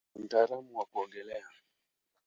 Pia ni mtaalamu wa kuogelea.